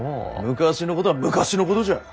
昔のことは昔のことじゃ。